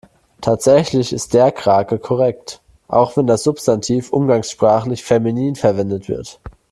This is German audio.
Tatsächlich ist der Krake korrekt, auch wenn das Substantiv umgangssprachlich feminin verwendet wird.